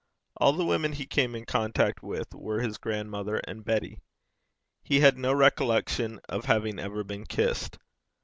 All the women he came in contact with were his grandmother and Betty. He had no recollection of having ever been kissed.